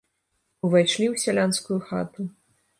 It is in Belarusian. Увайшлі ў сялянскую хату.